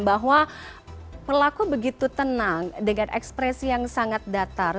bahwa pelaku begitu tenang dengan ekspresi yang sangat datar